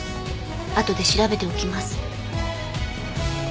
あとで調べておきます。